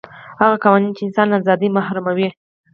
هغه قوانین چې انسان له ازادۍ محروموي.